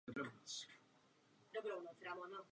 Oba vozy jsou si na první pohled velmi podobné.